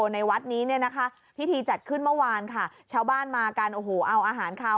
ในวัดนี้เนี่ยนะคะ